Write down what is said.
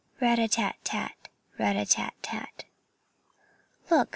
RAT A TAT TAT, RAT A TAT TAT "Look!